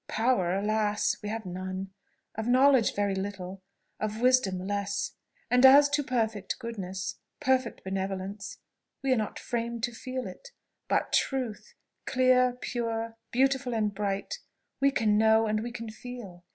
Power, alas! we have none of knowledge very little, of wisdom less and as to perfect goodness, perfect benevolence, we are not framed to feel it. But TRUTH, clear pure, beautiful, and bright, we can know and we can feel!